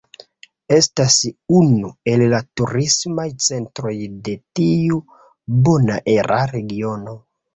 Estas unu el la turismaj centroj de tiu bonaera regiono.